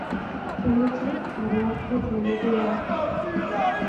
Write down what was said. kiomeche aro kiit nemukuyak